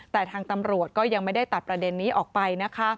แต่ทางตำรวจก็ยังไม่ได้ตัดประเด็นนี้ออกไปนะคะ